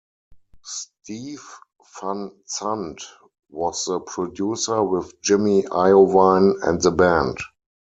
Steve Van Zandt was the producer, with Jimmy Iovine and the band.